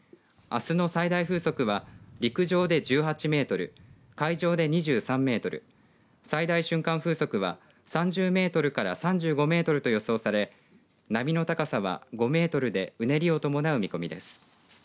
あすの最大風速は陸上で１８メートル、海上で２３メートル、最大瞬間風速は３０メートルから３５メートルと予想され波の高さは５メートルでうねりを伴う見込みです。